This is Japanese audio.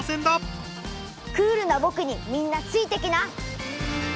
クールなぼくにみんなついてきな！